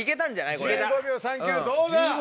１５秒３９どうだ？